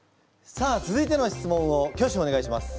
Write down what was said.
さあ続いての質問を挙手お願いします。